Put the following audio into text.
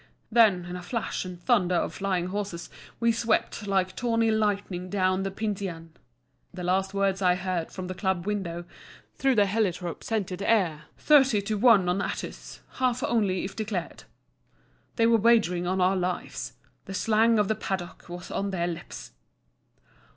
Then, in a flash and thunder of flying horses, we swept like tawny lightning down the Pincian. The last words I heard from the club window, through the heliotrope scented air, were "Thirty to one on Atys, half only if declared." They were wagering on our lives; the slang of the paddock was on their lips.